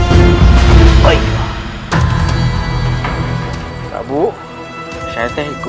aku disuruh menghadap rayi prabu siliwangi aku disuruh menghadap rakyat jenderal